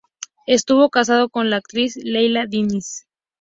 Estuvo casado con la actriz Leila Diniz.